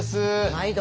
毎度。